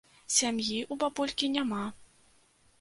Сям'і ў бабулькі няма.